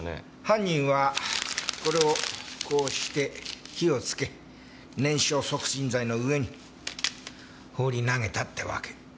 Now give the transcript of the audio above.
犯人はこれをこうして火をつけ燃焼促進剤の上に放り投げたってわけ。